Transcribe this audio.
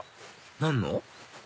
何の？